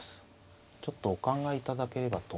ちょっとお考えいただければと思います。